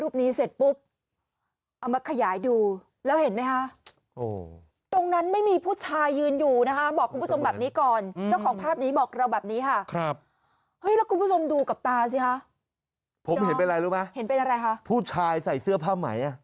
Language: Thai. ผมเห็นเป็นอะไรรู้มั้ยเห็นเป็นอะไรค่ะผู้ชายใส่เสื้อผ้าไหมอ่ะ